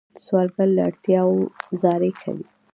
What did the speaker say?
سوالګر له اړتیا زاری کوي